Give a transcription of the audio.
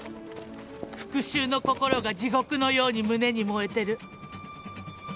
復讐の心が地獄のように胸に燃えてる。